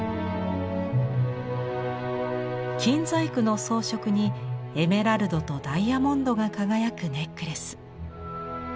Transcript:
金細工の装飾にエメラルドとダイヤモンドが輝くネックレス。